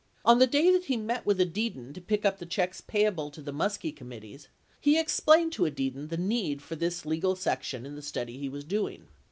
On the day that he met with Edidin to pick up the checks payable to the Muskie committees, he explained to Edidin the need for this legal section in the study he was doing.